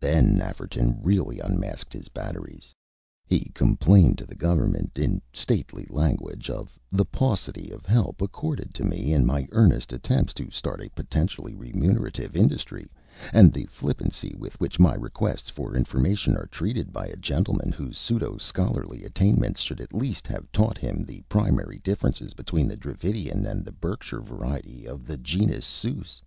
THEN Nafferton really unmasked his batteries! He complained to the Government, in stately language, of "the paucity of help accorded to me in my earnest attempts to start a potentially remunerative industry, and the flippancy with which my requests for information are treated by a gentleman whose pseudo scholarly attainments should at lest have taught him the primary differences between the Dravidian and the Berkshire variety of the genus Sus.